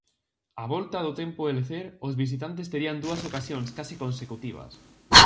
Á volta do tempo de lecer, os visitantes terían dúas ocasións case consecutivas.